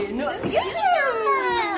よいしょ。